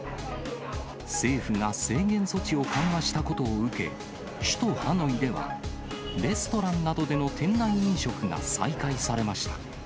政府が制限措置を緩和したことを受け、首都ハノイでは、レストランなどでの店内飲食が再開されました。